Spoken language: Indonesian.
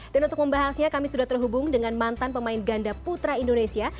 dan untuk membahasnya kami sudah terhubung dengan mantan pemain ganda putra indonesia